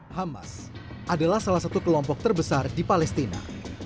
hamas adalah salah satu kelompok terbesar di palestina